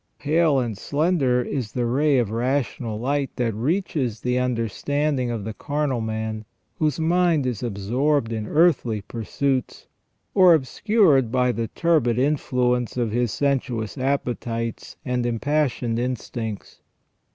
Pale and slender is the ray of rational light that reaches the understand ing of the carnal man, whose mind is absorbed in earthly pursuits, or obscured by the turbid influence of his sensuous appetites and impassioned instincts.